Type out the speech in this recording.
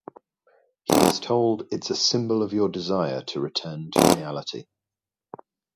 He is told it's a symbol-of your desire to return to reality.